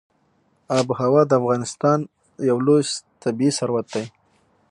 آب وهوا د افغانستان یو لوی طبعي ثروت دی.